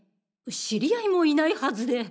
知り合いもいないはずで。